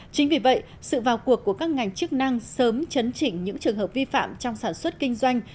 chính vì vậy sự vào cuộc của các ngành chức năng sớm chấn chỉnh những trường hợp vi phạm trong sản xuất kinh doanh